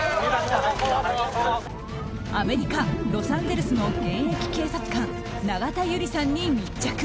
アメリカ・ロサンゼルスの現役警察官、永田有里さんに密着。